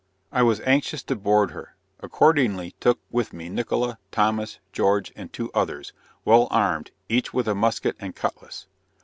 I was anxious to board her; accordingly took with me Nickola, Thomas, George and two others, well armed, each with a musket and cutlass.